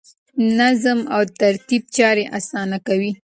نظم او ترتیب چارې اسانه کوي.